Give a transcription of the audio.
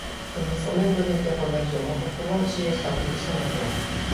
Dende Fomento din que a conexión con Portugal si está prevista no plan.